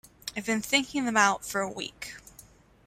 I’ve been thinking them out for a week.